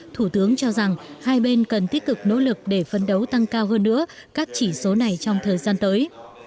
thủ tướng cho rằng hai bên cần tích cực nỗ lực để phấn đấu tăng cao hơn nữa các chỉ số này trong thời gian tới